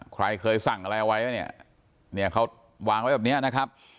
ใครเคยสั่งอะไรเอาไว้เนี่ยเนี่ยเขาวางไว้แบบนี้นะครับ